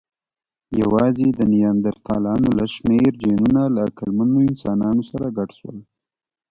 یواځې د نیاندرتالانو لږ شمېر جینونه له عقلمنو انسانانو سره ګډ شول.